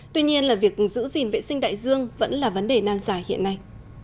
tuy nhiên là việc giữ gìn vệ sinh đại dương vẫn là vấn đề nan dài hiện nay